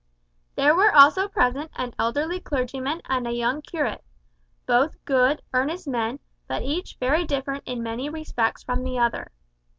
There were also present an elderly clergyman and a young curate both good, earnest men, but each very different in many respects from the other.